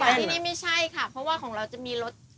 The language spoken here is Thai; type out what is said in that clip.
แต่ที่นี่ไม่ใช่ค่ะเพราะว่าของเราจะมีรส